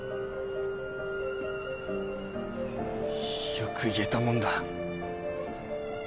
よく言えたもんだ。